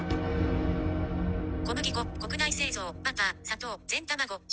小麦粉国内製造バター、砂糖、全卵。